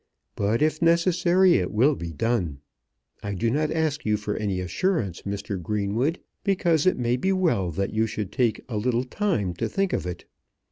But, if necessary, it will be done. I do not ask you for any assurance, Mr. Greenwood, because it may be well that you should take a little time to think of it.